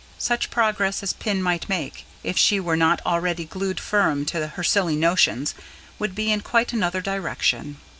Such progress as Pin might make if she were not already glued firm to her silly notions would be in quite another direction.